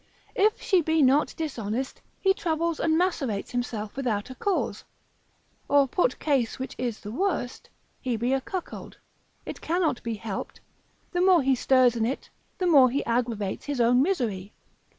If she be not dishonest, he troubles and macerates himself without a cause; or put case which is the worst, he be a cuckold, it cannot be helped, the more he stirs in it, the more he aggravates his own misery.